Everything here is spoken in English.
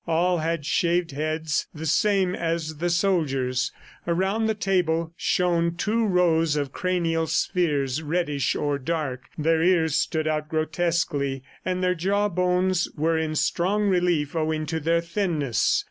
All had shaved heads, the same as the soldiers. Around the table shone two rows of cranial spheres, reddish or dark. Their ears stood out grotesquely, and their jaw bones were in strong relief owing to their thinness.